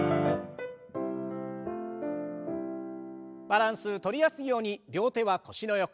バランスとりやすいように両手は腰の横。